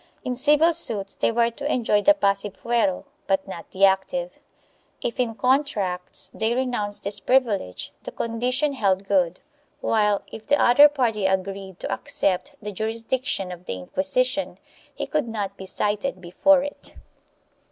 In civil suits they were to enjoy the passive fuero but not the active ; if in contracts they renounced this privilege the condition held good, while, if the other party agreed to accept the juris diction of the Inquisition, he could not be cited before it.